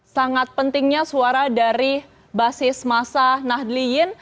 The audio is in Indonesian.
sangat pentingnya suara dari basis masa nahdliyin